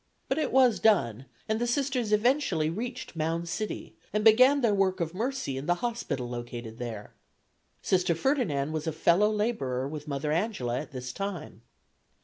But it was done, and the Sisters eventually reached Mound City, and began their work of mercy in the hospital located there. Sister Ferdinand was a fellow laborer with Mother Angela at this time.